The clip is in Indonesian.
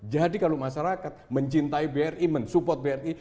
jadi kalau masyarakat mencintai bri men support bri